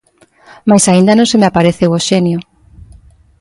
Mais aínda non se me apareceu o xenio.